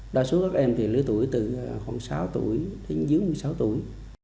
đa số các em lứa tuổi từ sáu tuổi đến dưới một mươi sáu tuổi